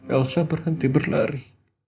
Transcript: elsa berhenti berlari